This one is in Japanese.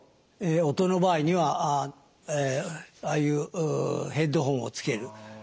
音の場合にはああいうヘッドフォンを付ける。